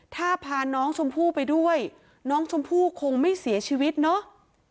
ถ้าพาน้องชมพู่ไปด้วยน้องชมพู่คงไม่เสียชีวิตเนาะ